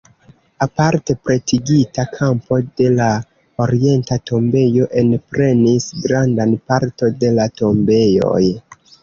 Aparte pretigita kampo de la orienta tombejo enprenis grandan parto de la tombejoj.